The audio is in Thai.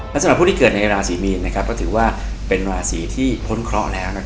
และสำหรับผู้ที่เกิดในราศีมีนก็ถือว่าเป็นราศีที่พ้นเคราะห์แล้ว